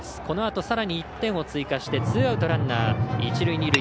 このあとさらに１点を追加してツーアウトランナー。